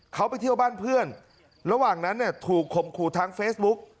เขาไปเที่ยวบ้านเพื่อนระหว่างนั้นเนี่ยถูกข่มขู่ทางเฟซบุ๊ก